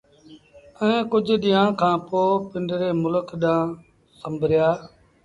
ائيٚݩ ڪجھ ڏيݩهآݩ کآݩ پو پنڊري ملڪ ڏآݩهݩ سنبريآ